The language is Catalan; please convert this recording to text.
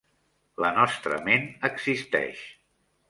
La nostra ment existeix.